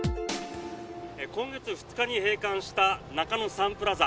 今月２日に閉館した中野サンプラザ。